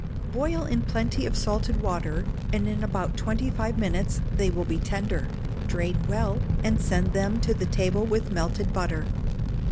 Boil in plenty of salted water, and in about twenty five minutes they will be tender; drain well, and send them to table with melted butter.